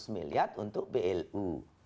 lima ratus miliar untuk blu